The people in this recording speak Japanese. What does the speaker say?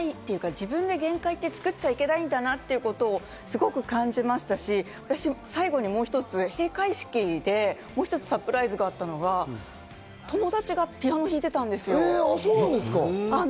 自分で限界を作っちゃいけないんだなって、すごく感じましたし、最後にもう一つ、閉会式にもう一つサプライズがあったのは、友達がピアノを弾いてたんですよ。